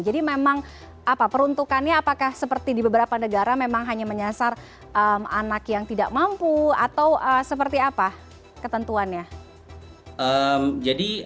jadi memang peruntukannya apakah seperti di beberapa negara memang hanya menyasar anak yang tidak mampu atau seperti apa ketentuannya